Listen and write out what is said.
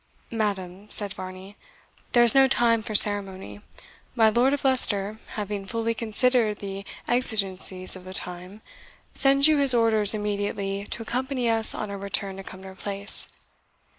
"Madam," said Varney, "there is no time for ceremony. My Lord of Leicester, having fully considered the exigencies of the time, sends you his orders immediately to accompany us on our return to Cumnor Place.